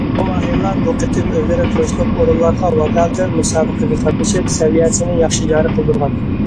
بۇ ماھىرلار بۇ قېتىم ئۆزلىرى تۇرۇشلۇق ئورۇنلارغا ۋاكالىتەن مۇسابىقىگە قاتنىشىپ، سەۋىيەسىنى ياخشى جارى قىلدۇرغان.